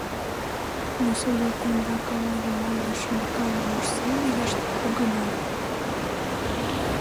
Но садак кумда кава йымалне Шӱлыкан мурсем йышт погына.